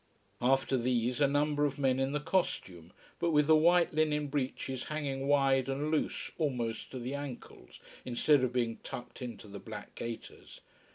After these a number of men in the costume, but with the white linen breeches hanging wide and loose almost to the ankles, instead of being tucked into the black gaiters.